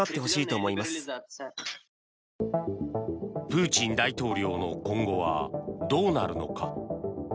プーチン大統領の今後はどうなるのか。